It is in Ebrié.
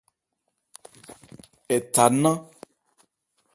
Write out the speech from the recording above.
Ɛ tha nnán.